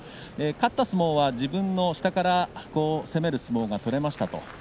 勝った相撲は自分の下から攻める相撲が取れました。